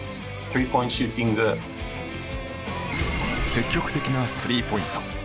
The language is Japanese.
積極的なスリーポイント。